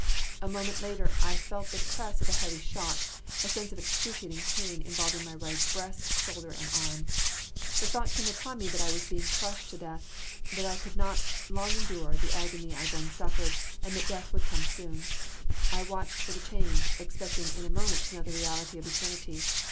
A moment later, I felt the press of a heavy shock, a sense of excruciating pain, involving my right breast, shoulder and arm. The thought came upon me that I was being crushed to death, that I could not long endure the agony I then suffered, and that death would come soon. I watched for the change, expecting in a moment to know the reality of eternity.